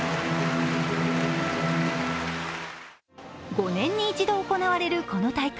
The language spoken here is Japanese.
５年に一度行われるこの大会